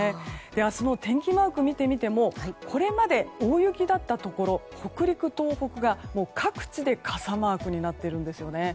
明日の天気マークを見てみてもこれまで大雪だったところ北陸、東北が各地で傘マークになっているんですよね。